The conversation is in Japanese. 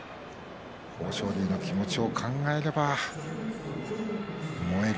豊昇龍の気持ちを考えれば燃える